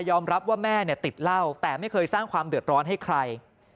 รับว่าแม่ติดเหล้าแต่ไม่เคยสร้างความเดือดร้อนให้ใคร